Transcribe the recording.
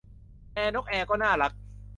แอร์นกแอร์ก็น่ารัก